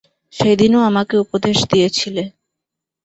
সেদিনও আমাকে উপদেশ দিয়েছিলে।